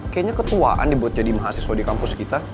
kayaknya ketuaan deh buat jadi mahasiswa di kampus kita